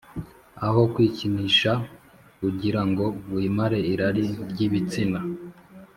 aho kwikinisha ugira ngo wimare irari ry ibitsina